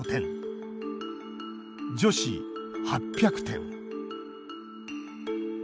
女子、８００点。